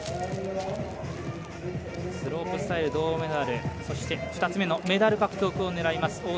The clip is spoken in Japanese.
スロープスタイル銅メダルそして２つ目のメダル獲得を狙います。